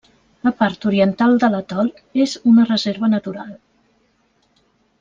La part oriental de l'atol és una reserva natural.